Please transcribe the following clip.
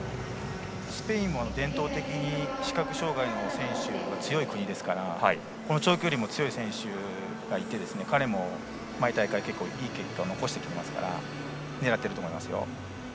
スペインも伝統的に視覚障がいの選手が強い国ですからこの長距離も強い選手がいて彼も、毎大会結構いい結果を残しているので狙っていると思いますよ。